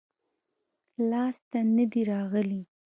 لاس ته نه دي راغلي-